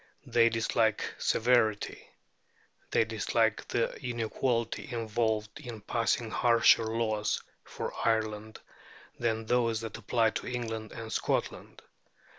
They dislike severity; they dislike the inequality involved in passing harsher laws for Ireland than those that apply to England and Scotland.